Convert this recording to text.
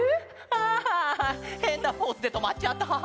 アハハへんなポーズでとまっちゃった。